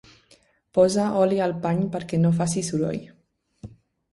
Posa oli al pany perquè no faci soroll.